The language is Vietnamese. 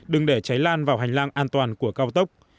đừng để cháy lan vào hành lang an toàn của cao tốc